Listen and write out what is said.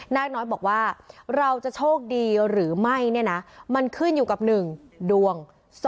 นาคน้อยบอกว่าเราจะโชคดีหรือไม่เนี่ยนะมันขึ้นอยู่กับ๑ดวง